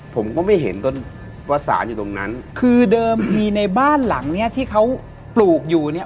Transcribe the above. ผมก็ไม่เห็นต้นว่าสารอยู่ตรงนั้นคือเดิมทีในบ้านหลังเนี้ยที่เขาปลูกอยู่เนี่ย